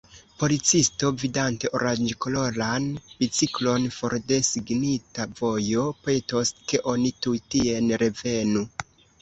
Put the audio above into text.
Policisto, vidante oranĝkoloran biciklon for de signita vojo, petos, ke oni tuj tien revenu.